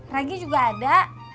regi juga ada